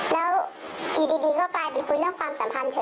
แล้วอยู่ดีก็กลายเป็นคุยเรื่องความสัมพันธ์เขา